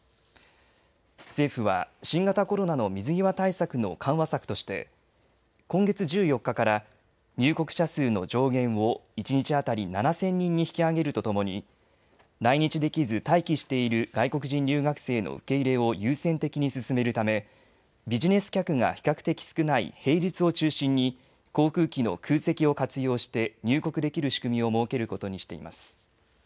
政府は新型コロナの水際対策の緩和策として今月１４日から入国者数の上限を一日当たり７０００人に引き上げるとともに来日できず待機している外国人留学生の受け入れを優先的に進めるためビジネス客が比較的少ない平日を中心に航空機の空席を活用して入国できる仕組みを設けることにしています。